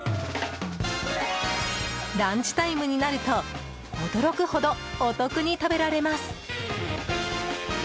ランチタイムになると驚くほどお得に食べられます！